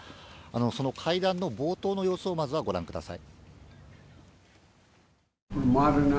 その会談の冒頭の様子を、まずはご覧ください。